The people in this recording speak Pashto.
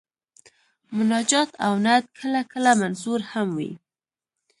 مناجات او نعت کله کله منثور هم وي.